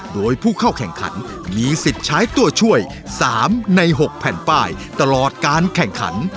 โดยผู้เข้าแข่งขันมีสิทธิ์ใช้ตัวช่วย๓ใน๖แผ่นป้ายตลอดการแข่งขัน